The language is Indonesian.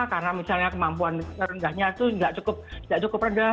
karena misalnya kemampuan rendahnya tuh gak cukup rendah